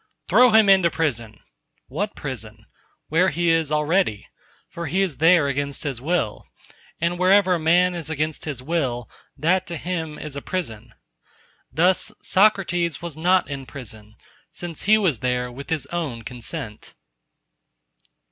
—"Throw him into prison!"—What prison?—Where he is already: for he is there against his will; and wherever a man is against his will, that to him is a prison. Thus Socrates was not in prison, since he was there with his own consent.